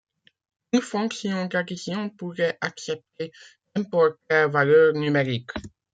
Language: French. Une fonction d'addition pourrait accepter n'importe quelle valeur numérique.